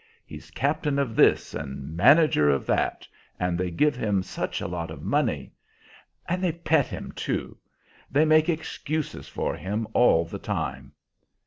He's captain of this and manager of that, and they give him such a lot of money. And they pet him, too; they make excuses for him all the time.